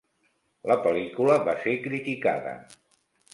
La pel·lícula va ser criticada.